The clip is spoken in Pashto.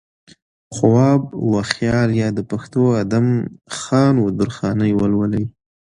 خواب وخيال يا د پښتو ادم خان و درخانۍ ولولئ